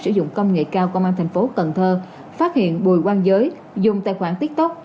sử dụng công nghệ cao công an tp cần thơ phát hiện bùi quang giới dùng tài khoản tiktok